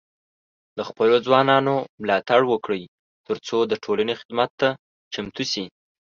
د خپلو ځوانانو ملاتړ وکړئ، ترڅو د ټولنې خدمت ته چمتو شي.